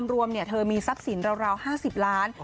รวมเธอมีทรัพย์สินราว๕๐ล้าน